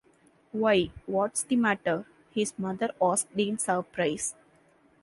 “Why, what’s the matter?” his mother asked in surprise.